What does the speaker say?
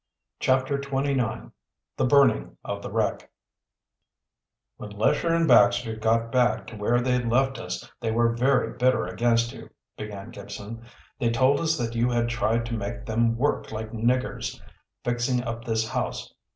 CHAPTER XXIX THE BURNING OF THE WRECK "When Lesher and Baxter got back to where they left us they were very bitter against you," began Gibson. "They told us that you had tried to make them work like niggers, fixing up this house.